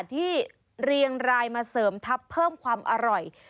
เรียงรายมาเสริมทัพเพิ่มความอร่อย